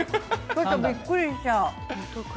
びっくりしちゃう。